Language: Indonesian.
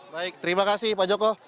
baik terima kasih pak joko